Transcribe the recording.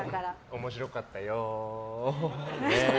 面白かったよ。